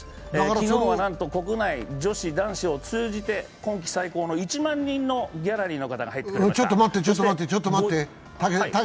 昨日は、なんと国内女子・男子を通じて今季最高の１万人のギャラリーの方が入っていました。